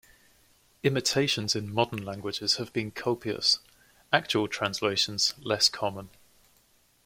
Imitations in modern languages have been copious, actual translations less common.